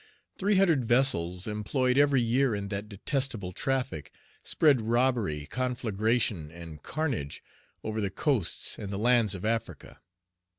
Three hundred vessels, employed every year in that detestable traffic, spread robbery, conflagration, and carnage over the coasts and the lands of Africa.